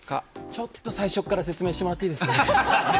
ちょっと最初っから説明してもらっていいですか。